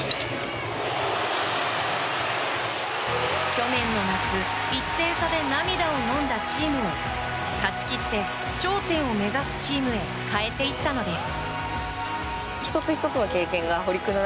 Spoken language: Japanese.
去年の夏１点差で涙をのんだチームを勝ち切って、頂点を目指すチームへ変えていったのです。